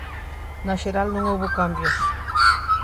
Na xeral non houbo cambios.